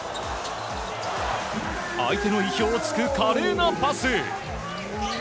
相手の意表をつく華麗なパス。